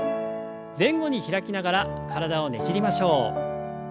前後に開きながら体をねじりましょう。